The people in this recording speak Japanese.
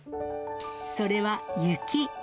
それは雪。